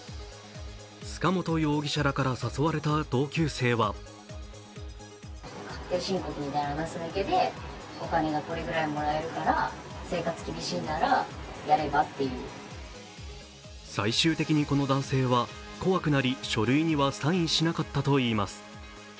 塚本容疑者らから誘われた同級生は最終的にこの男性は怖くなり、書類にはサインしなかったといいます。